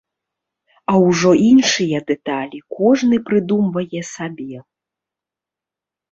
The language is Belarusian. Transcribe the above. А ўжо іншыя дэталі кожны прыдумвае сабе.